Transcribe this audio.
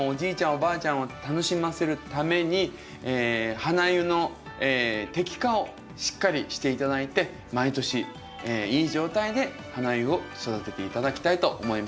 おばあちゃんを楽しませるためにハナユの摘果をしっかりして頂いて毎年いい状態でハナユを育てて頂きたいと思います。